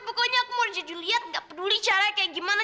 pokoknya aku mau jadi lihat gak peduli cara kayak gimana